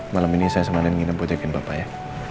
malam ini saya sama andi nginep buat jagain papa ya